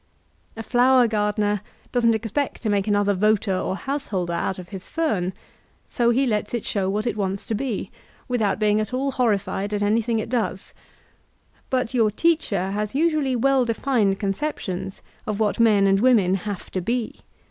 A flower gardener doesn't expect to make another voter or householder out of his fern, so he lets it show what it wants to be, without being at ail horrified at anything it does; but your teacher has usually well defined concep tions of what men and women have to be.